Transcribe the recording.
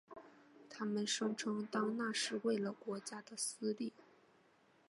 他们声称当那是为了国家的私利。